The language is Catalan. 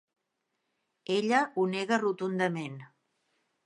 Ella ho nega rotundament.